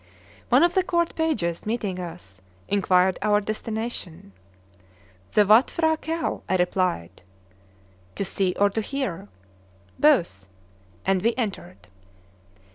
One of the court pages, meeting us, inquired our destination. "The Watt P'hra Këau," I replied. "To see or to hear?" "Both." And we entered.